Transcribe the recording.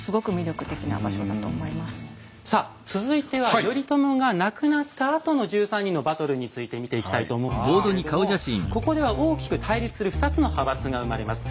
続いては頼朝が亡くなったあとの１３人のバトルについて見ていきたいと思うんですけれどもここでは大きく対立する２つの派閥が生まれます。